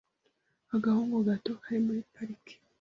Agahungu gato kari muri pariki.